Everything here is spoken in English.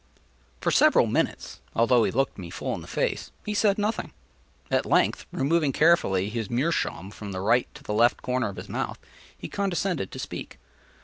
For several minutes, although he looked me full in the face, he said nothing. At length removing carefully his meerschaum from the right to the left corner of his mouth, he condescended to speak.